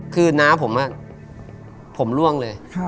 คือน้าผมผมล่วงเลย